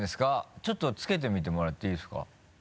ちょっとつけてみてもらっていいですか？